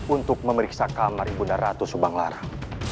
untuk memeriksaka maribunda ratu subang larang